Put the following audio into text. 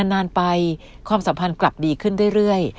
นานไปความสัมพันธ์กลับดีขึ้นเรื่อย